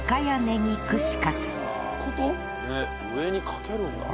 上にかけるんだね。